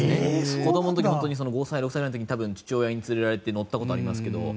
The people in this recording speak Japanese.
子どもの時、５歳６歳の時に父親に連れられて乗った記憶がありますけど。